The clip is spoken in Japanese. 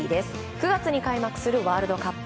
９月に開幕するワールドカップ。